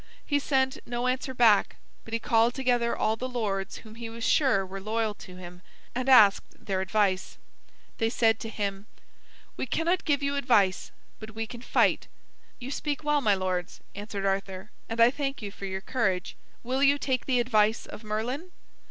He sent no answer back, but he called together all the lords whom he was sure were loyal to him, and asked their advice. They said to him: "We cannot give you advice, but we can fight." "You speak well, my lords," answered Arthur, "and I thank you for your courage. Will you take the advice of Merlin?